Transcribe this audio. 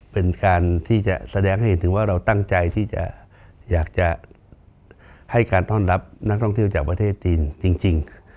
เป็นการที่จะแสดงให้เห็นถึงว่าเราตั้งใจที่จะอยากจะให้การต้อนรับนักท่องเที่ยวจากประเทศจีนจริง